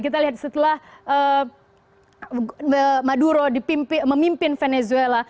kita lihat setelah madura memimpin venezuela